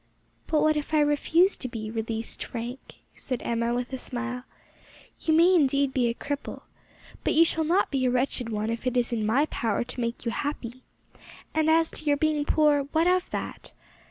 "But what if I refuse to be released, Frank?" said Emma, with a smile; "you may, indeed, be a cripple, but you shall not be a wretched one if it is in my power to make you happy; and as to your being poor what of that?